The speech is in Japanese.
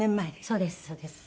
そうですそうです。